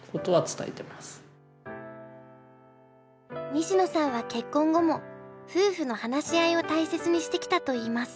西野さんは結婚後も夫婦の話し合いを大切にしてきたといいます。